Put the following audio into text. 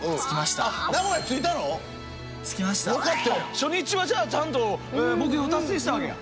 初日はじゃあちゃんと目標達成したわけや。